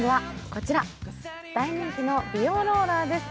こちら、大人気の美容ローラーです。